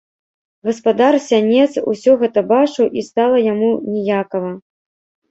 Гаспадар сянец усё гэта бачыў, і стала яму ніякава.